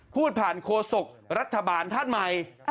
พูดผ่านโคศกรัฐบาลธาตุใหม่